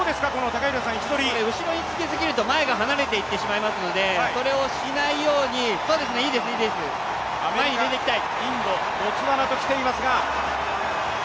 後ろにつけすぎると、前が離れていってしまいますのでそれをしないように、いいですね、いいです、前に出てきたい。